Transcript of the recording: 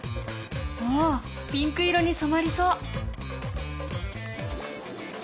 おおピンク色にそまりそう。